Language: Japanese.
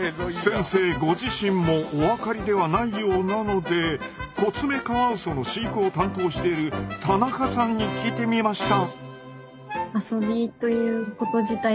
先生ご自身もお分かりではないようなのでコツメカワウソの飼育を担当している田中さんに聞いてみました。